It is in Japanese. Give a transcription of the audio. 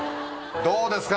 どうですか？